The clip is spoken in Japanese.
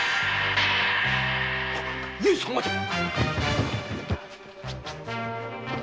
上様じゃ！